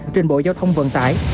trình bộ giao thông vận tải